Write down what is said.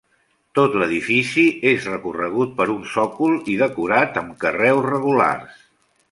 Tot l'edifici és recorregut per un sòcol i decorat amb carreus regulars.